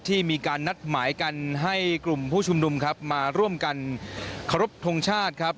มีการนัดหมายกันให้กลุ่มผู้ชุมนุมครับมาร่วมกันเคารพทงชาติครับ